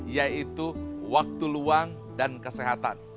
yaitu waktu luang dan kesehatan